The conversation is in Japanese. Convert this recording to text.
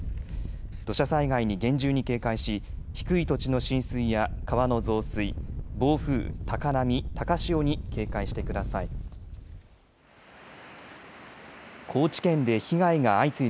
土砂災害に厳重に警戒し低い土地の浸水や川の増水、暴風、高波、高潮に警戒してください。